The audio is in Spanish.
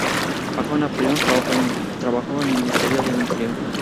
Bajo Napoleón, trabajó en el Ministerio del Interior.